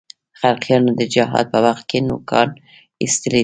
خلقیانو د جهاد په وخت کې نوکان اېستلي دي.